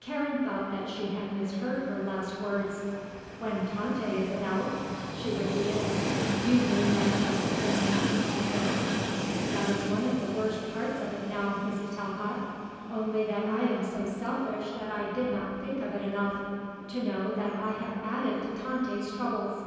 Karen thought that she had misheard her last words. "When Tante is about?" she repeated. "You mean that dreadful things happen to her? That is one of the worst parts of it now, Mrs. Talcott only that I am so selfish that I do not think of it enough to know that I have added to Tante's troubles."